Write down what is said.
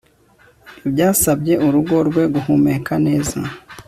Ibyo byasabye urugo rwe guhumeka neza